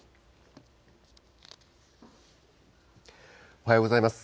おはようございます。